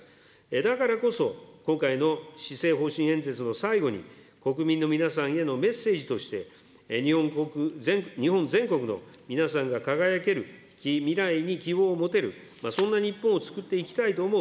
だからこそ、今回の施政方針演説の最後に、国民の皆さんへのメッセージとして、日本国、日本全国の皆さんが輝ける未来に希望を持てる、そんな日本をつくっていきたいと思う。